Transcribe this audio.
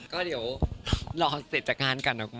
ก็เดี๋ยวลองเสร็จจากการกันนะครับ